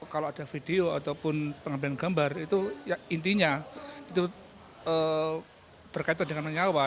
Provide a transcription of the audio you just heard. kalau ada video ataupun pengambilan gambar itu ya intinya itu berkaitan dengan nyawa